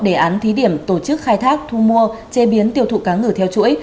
đề án thí điểm tổ chức khai thác thu mua chế biến tiêu thụ cá ngừ theo chuỗi